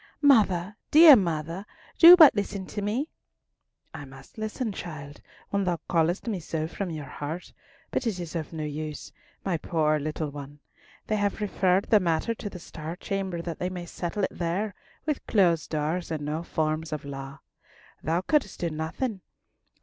"Mother, dear mother, do but listen to me." "I must listen, child, when thou callest me so from your heart; but it is of no use, my poor little one. They have referred the matter to the Star Chamber, that they may settle it there with closed doors and no forms of law. Thou couldst do nothing!